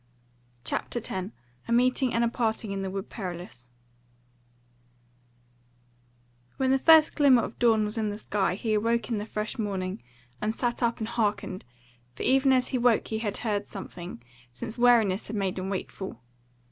CHAPTER 10 A Meeting and a Parting in the Wood Perilous When the first glimmer of dawn was in the sky he awoke in the fresh morning, and sat up and hearkened, for even as he woke he had heard something, since wariness had made him wakeful.